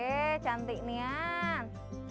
weh cantik nih an